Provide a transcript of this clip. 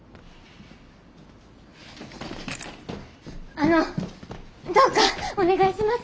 あのどうかお願いします。